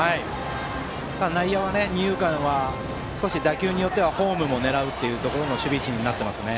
内野は二遊間は打球によってはホームも狙う守備位置になっていますね。